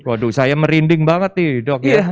waduh saya merinding banget nih dok ya